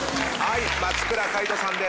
松倉海斗さんです。